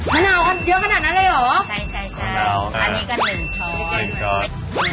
มะนาวเยอะขนาดนั้นเลยเหรอใช่อันนี้ก็๑ช้อน